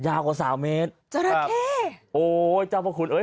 ยาวกว่าสามเมตรจราแค่โอ้ยจังหวะคุณเอ้ย